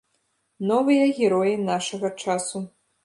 Новыя героі нашага часу.